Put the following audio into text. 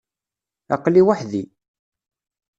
Aql-i weḥd-i.